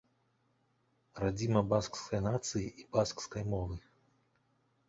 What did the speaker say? Радзіма баскскай нацыі і баскскай мовы.